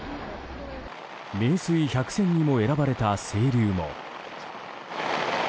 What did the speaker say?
名水百選にも選ばれた清流も。